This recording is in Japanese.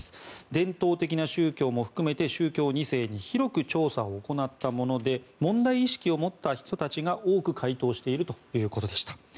伝統的な宗教も含めて宗教２世に広く調査を行ったもので問題意識を持った人たちが多く回答しているということでした。